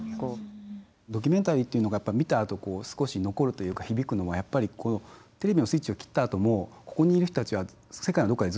ドキュメンタリーっていうのが見たあと少し残るというか響くのもやっぱりテレビのスイッチを切ったあともここにいる人たちは世界のどっかでずっと生きてるじゃないですか。